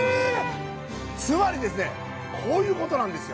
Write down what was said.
つまりですねこういうことなんですよ。